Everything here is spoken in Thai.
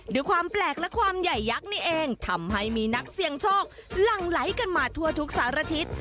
ด้วยความแปลกและความใหญ่ยักษ์นี่เองทำให้มีนักเสี่ยงโชคหลั่งไหลกันมาทั่วทุกสารทิศ